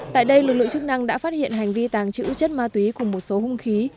tại đây lực lượng chức năng đã phát hiện hành vi tàng trữ chất ma túy cùng một số hung khí